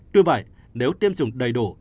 tuy vậy nếu tiêm dùng đầy đủ